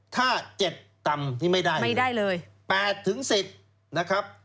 ถ้า๗ต่ำไม่ได้เลย๘๑๐นะครับ